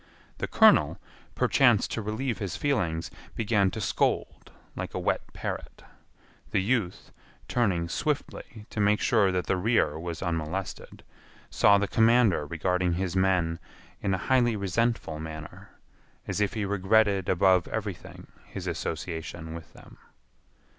The colonel, perchance to relieve his feelings, began to scold like a wet parrot. The youth, turning swiftly to make sure that the rear was unmolested, saw the commander regarding his men in a highly resentful manner, as if he regretted above everything his association with them.